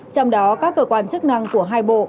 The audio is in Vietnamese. trong đó các cơ quan chức năng của hai bộ